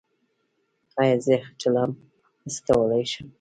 ایا زه چلم څکولی شم؟